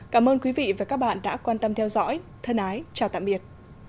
cảm ơn quý vị và các bạn đã quan tâm theo dõi thân ái chào tạm biệt